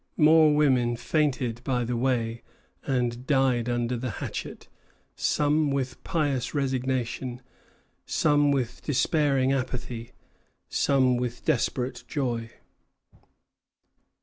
More women fainted by the way and died under the hatchet, some with pious resignation, some with despairing apathy, some with a desperate joy.